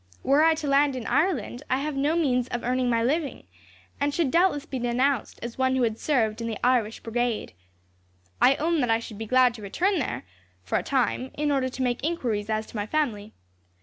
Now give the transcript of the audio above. Were I to land in Ireland, I have no means of earning my living, and should doubtless be denounced as one who had served in the Irish Brigade. I own that I should be glad to return there, for a time, in order to make enquiries as to my family.